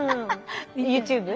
ＹｏｕＴｕｂｅ？